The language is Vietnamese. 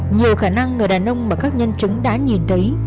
nhiều khả năng người đàn ông mà các nhân chứng đã nhìn thấy